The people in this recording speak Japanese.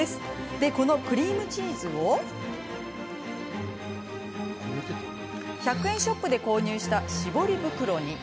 で、このクリームチーズを１００円ショップで購入した絞り袋に。